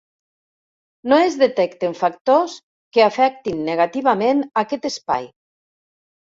No es detecten factors que afectin negativament aquest espai.